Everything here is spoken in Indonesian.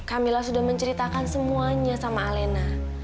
camilla sudah menceritakan semuanya sama alena